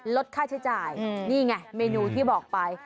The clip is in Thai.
ลดค่าใช้จ่ายนี่ไงเมนูที่บอกไป